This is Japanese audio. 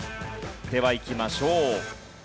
ではいきましょう。